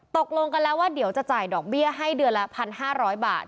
ตกลงกันแล้วว่าเดี๋ยวจะจ่ายดอกเบี้ยให้เดือนละ๑๕๐๐บาท